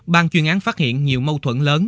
ban chuyên án phát hiện nhiều mâu thuẫn lớn